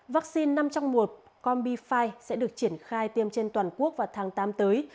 vaccine năm trong một combi năm sẽ được triển khai tiêm trên toàn quốc vào tháng tám tới